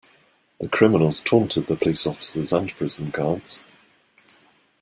The criminals taunted the police officers and prison guards.